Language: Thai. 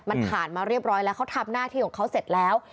มันผ่านมาเรียบร้อยแล้วเขาทำหน้าที่ของเขาเสร็จแล้ว